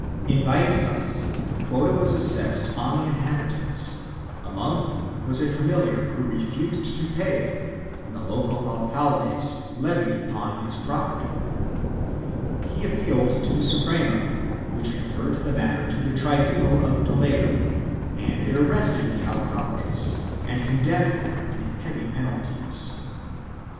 In Vallecas the quota was assessed on the inhabitants, among whom was a familiar who refused to pay, when the local alcaldes levied upon his property. He appealed to the Suprema which referred the matter to the tribunal of Toledo and it arrested the alcaldes and condemned them in heavy penalties.